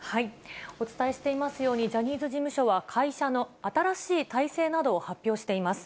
お伝えしていますように、ジャニーズ事務所は会社の新しい体制などを発表しています。